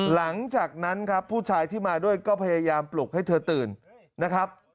หลังจากนั้นครับผู้ชายที่มาด้วยก็พยายามปลุกให้เธอตื่นนะครับ